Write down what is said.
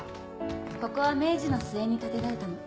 ここは明治の末に建てられたの。